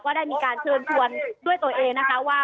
ก็ได้มีการชื่นชวนด้วยตัวเองนะคะ